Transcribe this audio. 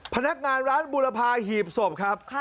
พนักงานร้านบุรพาหีบศพครับ